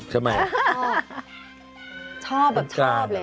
ชอบอ่ะชอบเลยอ่ะ